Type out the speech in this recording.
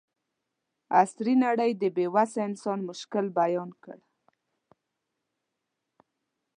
عصري نړۍ د بې وسه انسان مشکل بیان کړ.